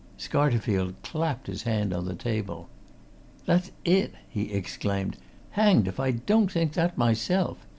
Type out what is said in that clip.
Scarterfield clapped his hand on the table. "That's it!" he exclaimed. "Hanged if I don't think that myself!